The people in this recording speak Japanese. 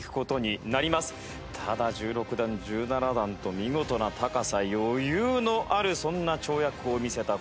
ただ１６段１７段と見事な高さ余裕のあるそんな跳躍を見せたこの男。